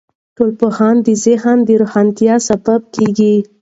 ټولنپوهنه د ذهن د روښانتیا سبب کیږي.